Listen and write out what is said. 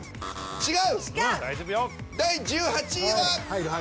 違う！